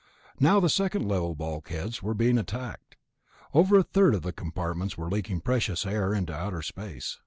Now the second level bulkheads were being attacked. Over a third of the compartments were leaking precious air into outer space.